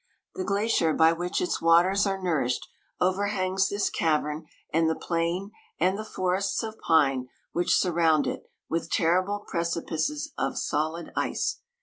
The gla cier bv which its waters are nourished, overhangs this cavern and the plain, and the forests of pine which surround it, with terrible precipices of solid ice.